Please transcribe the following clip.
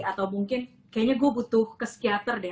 atau mungkin kayaknya gue butuh ke psikiater deh